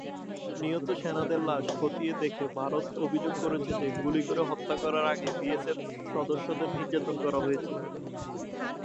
নিহত সেনাদের লাশ খতিয়ে দেখে ভারত অভিযোগ করেছে যে গুলি করে হত্যা করার আগে বিএসএফ সদস্যদের নির্যাতন করা হয়েছিল।